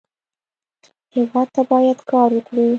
هېواد ته باید کار وکړو